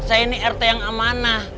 saya ini rt yang amanah